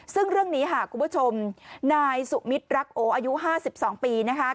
ซึ่งเรื่องนี้ค่ะคุณผู้ชมนายสุมิตรรักโออายุ๕๒ปี